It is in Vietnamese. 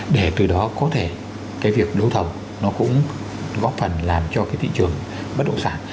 để từ đó có thể cái việc đấu thầu nó cũng góp phần làm cho cái thị trường bất động sản